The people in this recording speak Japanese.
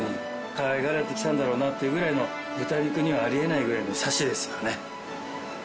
かわいがられてきたんだろうなっていうぐらいの豚肉にはあり得ないぐらいのサシですよね。